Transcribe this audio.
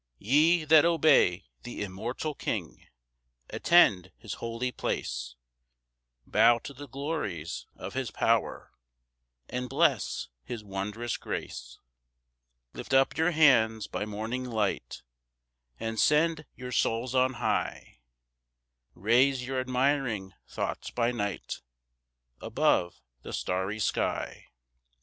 1 Ye that obey th' immortal King, Attend his holy place, Bow to the glories of his power, And bless his wondrous grace; 2 Lift up your hands by morning light, And send your souls on high; Raise your admiring thoughts by night Above the starry sky.